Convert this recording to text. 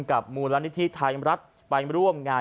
กับมูลนิธิไทยรัฐไปร่วมงาน